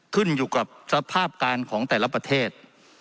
ขึ้นอยู่กับสภาพการของแต่ละประเทศ